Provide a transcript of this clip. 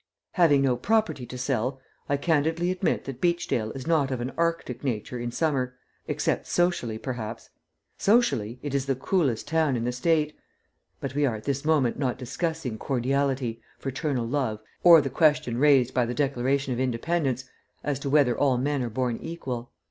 Having no property to sell, I candidly admit that Beachdale is not of an arctic nature in summer, except socially, perhaps. Socially, it is the coolest town in the State; but we are at this moment not discussing cordiality, fraternal love, or the question raised by the Declaration of Independence as to whether all men are born equal.